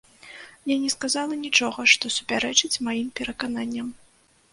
Я не сказала нічога, што супярэчыць маім перакананням.